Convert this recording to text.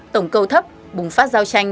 tổng cầu thấp bùng phát giao tranh